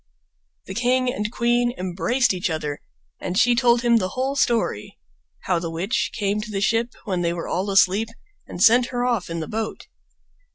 The king and queen embraced each other, and she told him the whole story—how the witch came to the ship when they were all asleep and sent her off in the boat.